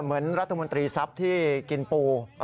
เหมือนรัฐมนตรีทรัพย์ที่กินปู